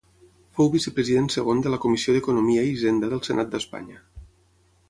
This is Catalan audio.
Fou vicepresident segon de la Comissió d'Economia i Hisenda del Senat d'Espanya.